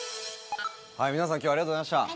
皆さん今日はありがとうございました。